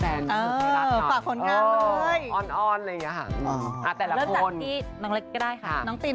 แต่ละคนน้องเล็กก็ได้น้องติมนี่